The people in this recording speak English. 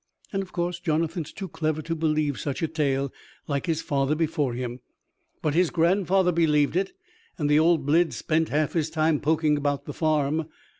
"Of course Jonathan's too clever to believe such a tale like his father before him; but his grandfather believed it, and the old blid spent half his time poking about the farm.